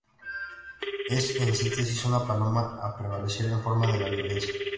Es, en síntesis, una paloma a prevalecer por sobre la violencia.